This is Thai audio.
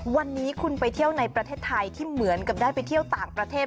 วันนี้คุณไปเที่ยวในประเทศไทยที่เหมือนกับได้ไปเที่ยวต่างประเทศ